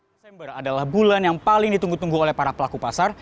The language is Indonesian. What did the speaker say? desember adalah bulan yang paling ditunggu tunggu oleh para pelaku pasar